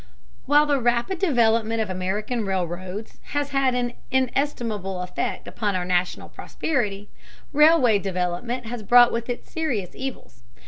While the rapid development of American railroads has had an inestimable effect upon our national prosperity, railway development has brought with it serious evils.